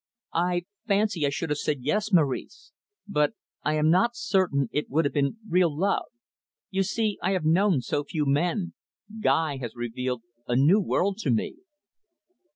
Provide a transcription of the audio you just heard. "I fancy I should have said yes, Maurice. But I am not certain it would have been real love; you see, I have known so few men. Guy has revealed a new world to me."